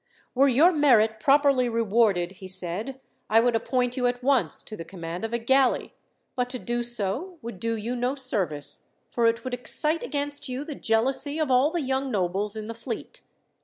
"Were your merit properly rewarded," he said, "I would appoint you at once to the command of a galley; but to do so would do you no service, for it would excite against you the jealousy of all the young nobles in the fleet.